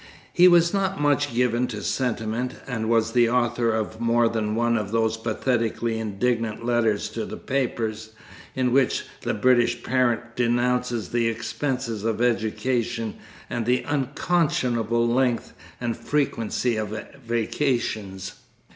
He was not much given to sentiment, and was the author of more than one of those pathetically indignant letters to the papers, in which the British parent denounces the expenses of education and the unconscionable length and frequency of vacations.